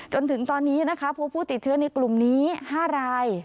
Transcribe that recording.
จนถึงตอนนี้นะคะพบผู้ติดเชื้อในกลุ่มนี้๕ราย